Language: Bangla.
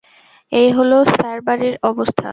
এই হল স্যার বাড়ির অবস্থা।